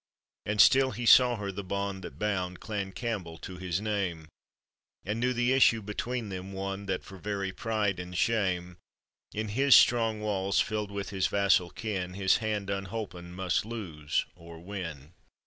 And still he saw her the bond that bound Clan Campbell to his name, And knew the issue between them, one That for very pride and shame, In his strong walls filled with his vassal kin, His hand unholpen must lose or win.